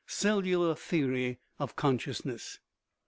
Cellular theory of consciousness.